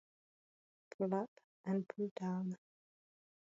Pull Up a Pull Down